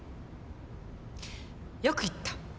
よく言った。